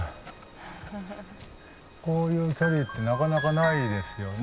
こういう距離ってなかなかないですよね。